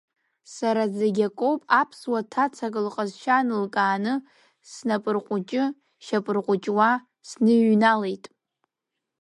Сара зегьы акоуп, аԥсуа ҭацак лҟазшьа нылкааны, снапырҟәыҷы-шьапырҟәыҷуа сныҩналеит.